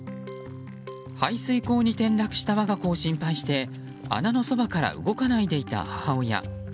排水溝に転落した我が子を心配して穴のそばから動かないでいた母親。